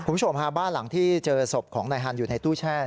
คุณผู้ชมฮะบ้านหลังที่เจอศพของนายฮันอยู่ในตู้แช่